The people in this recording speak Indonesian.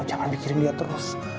jangan mikirin dia terus